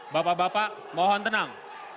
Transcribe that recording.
bapak bapak mohon tenang